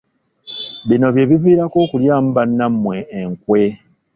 Bino bye biviirako okulyamu bannammwe enkwe .